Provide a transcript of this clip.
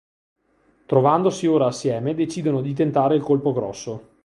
Trovandosi ora assieme decidono di tentare il colpo grosso.